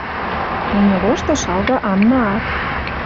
Нӹнӹ лошты шалга Аннаат.